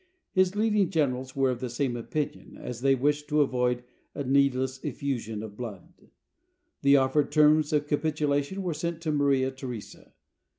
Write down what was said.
His leading generals were of the same opinion, as they wished to avoid a needless effusion of blood. The offered terms of capitulation were sent to Maria Theresa.